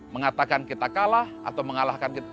mengatakan kita kalah atau mengalahkan kita